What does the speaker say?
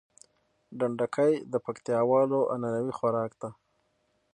ډنډکی د پکتياوالو عنعنوي خوارک ده